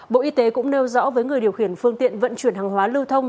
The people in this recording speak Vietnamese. bộ y tế cũng nêu rõ với người điều khiển phương tiện vận chuyển hàng hóa lưu thông